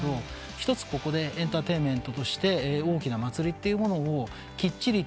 ひとつここでエンターテインメントとして大きな祭りっていうものをきっちりと成功して。